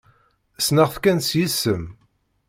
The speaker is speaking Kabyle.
Ssneɣ-t kan s yisem.